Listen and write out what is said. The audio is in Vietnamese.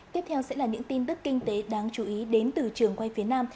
tiếp theo sẽ là những tin tức kinh tế đáng chú ý đến từ trường quay phía nam